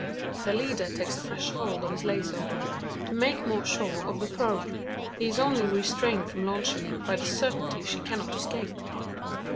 The leader takes a fresh hold of his lazo, to make more sure of the throw. He is only restrained from launching it, by the certainty she cannot escape.